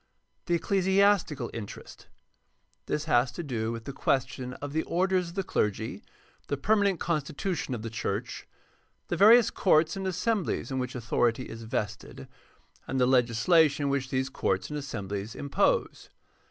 The ecclesiastical interest. — This has to do with the question of the orders of the clergy, the permanent con stitution of the church, the various courts and assemblies in which authority is vested, and the legislation which these courts and assemblies impose.